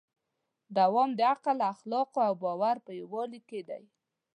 دوام د عقل، اخلاقو او باور په یووالي کې دی.